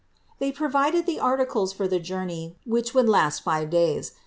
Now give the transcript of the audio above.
They provided the articles for the journey, which would last five days.